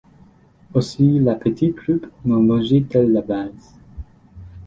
Aussi la petite troupe n’en longeait-elle la base.